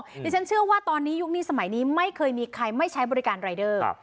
ดิฉันเชื่อว่าตอนนี้ยุคนี้สมัยนี้ไม่เคยมีใครไม่ใช้บริการรายเดอร์